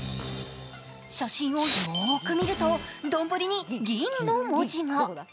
写真をよく見ると、丼に「銀」の文字が。